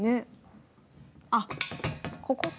あっここか。